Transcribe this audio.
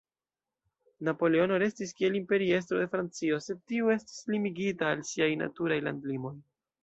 Napoleono restis kiel Imperiestro de Francio, sed tiu estis limigita al siaj "naturaj landlimoj".